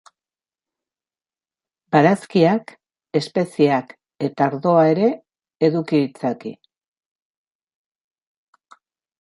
Barazkiak, espeziak eta ardoa ere eduki ditzake.